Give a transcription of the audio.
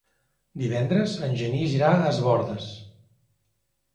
Divendres en Genís irà a Es Bòrdes.